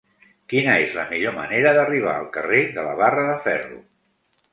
Quina és la millor manera d'arribar al carrer de la Barra de Ferro?